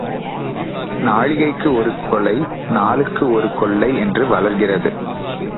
நாழிகைக்கு ஒரு கொலை நாளுக்கு ஒரு கொள்ளை என்று வளர்கிறது.